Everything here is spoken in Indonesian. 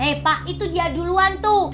eh pak itu dia duluan tuh